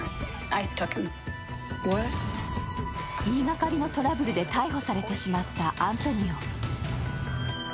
言いがかりのトラブルで逮捕されてしまったアントニオ。